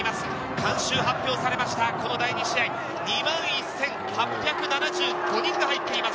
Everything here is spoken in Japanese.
観衆発表されました、この第２試合、２万１８７５人が入っています。